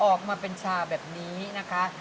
ออกมาเป็นชาแบบนี้นะคะ